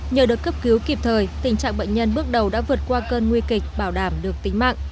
nhờ được cấp cứu kịp thời tình trạng bệnh nhân bước đầu đã vượt qua cơn nguy kịch bảo đảm được tính mạng